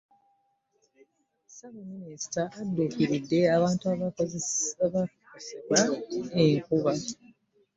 Ssabaminisita adduukiride abantu abaakosebwa enkuba.